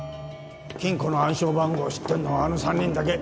金庫の暗証番号を知ってんのはあの３人だけ